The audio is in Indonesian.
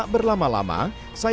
bersama pre tempen penggr sundays